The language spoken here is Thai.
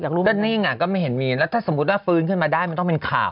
ก็นี่อ่ะก็ไม่เห็นมีแล้วถ้ารักษาสมดิสารได้มันต้องเป็นข่าว